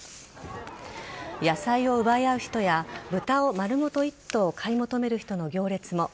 野菜を奪い合う人や豚を丸ごと１頭買い求める人の行列も。